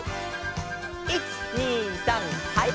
１２３はい！